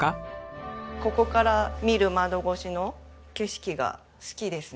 ここから見る窓越しの景色が好きですね。